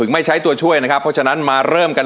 มีความรู้สึกว่ามีความรู้สึกว่ามีความรู้สึกว่า